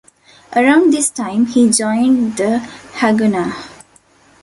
Around this time, he joined the Haganah.